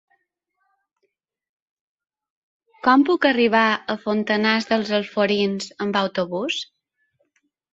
Com puc arribar a Fontanars dels Alforins amb autobús?